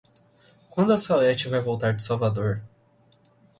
Quando a Salete vai voltar de Salvador?